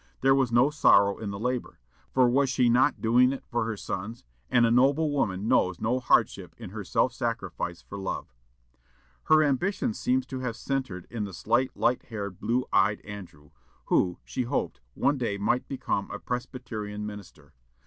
There was no sorrow in the labor, for was she not doing it for her sons, and a noble woman knows no hardship in her self sacrifice for love. Her ambition seems to have centred in the slight, light haired, blue eyed Andrew, who, she hoped, one day might become a Presbyterian minister.